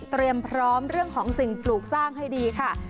พร้อมเรื่องของสิ่งปลูกสร้างให้ดีค่ะ